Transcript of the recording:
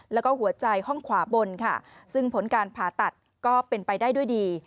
แล้วก็หัวใจห้องขวาบนค่ะซึ่งผลการผ่าตัดก็เป็นไปได้ด้วยดี